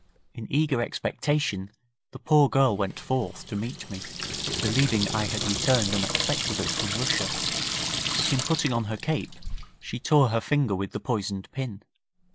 In eager expectation the poor girl went forth to meet me, believing I had returned unexpectedly from Russia, but in putting on her cape, she tore her finger with the poisoned pin.